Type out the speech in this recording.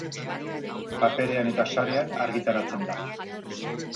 Paperean eta sarean argitaratzen da.